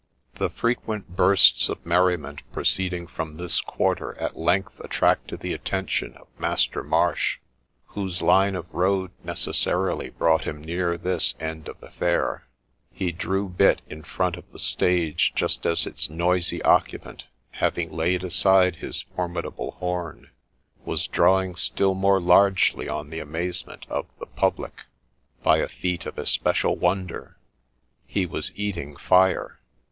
The frequent bursts of merriment proceeding from this quarter at length attracted the attention of Master Marsh, whose line of road necessarily brought him near this end of the fair ; he drew bit in front of the stage just as its noisy occupant, having laid aside his formidable horn, was drawing still more largely on the amazement of ' the public ' by a feat of especial wonder, — he was eating fire